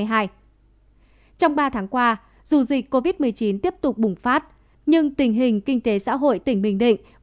trong ba tháng qua dù dịch covid một mươi chín tiếp tục bùng phát nhưng tình hình kinh tế xã hội tỉnh bình định